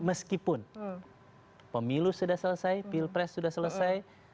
meskipun pemilu sudah selesai pilpres sudah selesai